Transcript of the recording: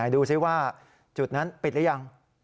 ดูสิว่าจุดนั้นปิดหรือยัง